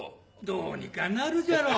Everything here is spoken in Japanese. ・どうにかなるじゃろ！